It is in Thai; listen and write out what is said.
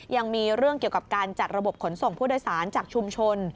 ยังมีเรื่องเกี่ยวกับการจัดระบบขนส่งผู้โดยสารจากชุมชน